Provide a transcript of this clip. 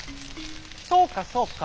「そうかそうか。